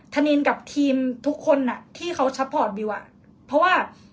ธนินกับทีมทุกคนอ่ะที่เขาซัพพอร์ตบิวอ่ะเพราะว่า